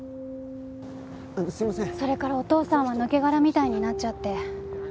それからお父さんは抜け殻みたいになっちゃって。